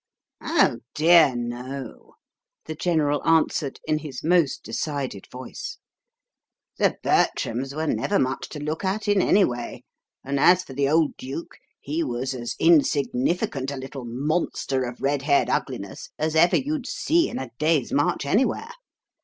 "Oh, dear, no," the General answered in his most decided voice. "The Bertrams were never much to look at in any way: and as for the old duke, he was as insignificant a little monster of red haired ugliness as ever you'd see in a day's march anywhere.